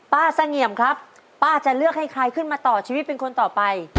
เสงี่ยมครับป้าจะเลือกให้ใครขึ้นมาต่อชีวิตเป็นคนต่อไป